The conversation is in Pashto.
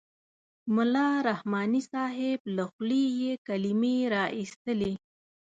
ملا رحماني صاحب له خولې یې کلمې را اېستلې.